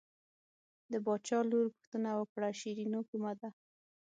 د باچا لور پوښتنه وکړه شیرینو کومه ده.